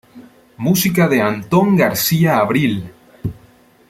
Música de Antón García Abril.